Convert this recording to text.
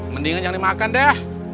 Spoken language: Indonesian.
mendingan jangan dimakan deh